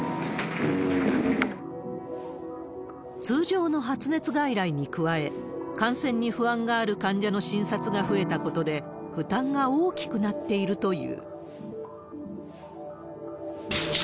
通常の発熱外来に加え、感染に不安がある患者の診察が増えたことで、負担が大きくなっているという。